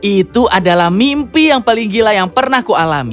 itu adalah mimpi yang paling gila yang pernah kualami